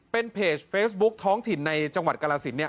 เป็นเพจเฟซบุ๊คท้องถิ่นในจังหวัดกรสินเนี่ย